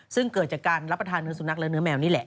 ซึ่งเกิดจากการรับประทานเนื้อสุนัขและเนื้อแมวนี่แหละ